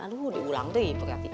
aduh diulang deh perhatian